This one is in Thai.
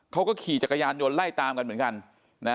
เขาก็ขี่จักรยานยนต์ไล่ตามกันเหมือนกันนะ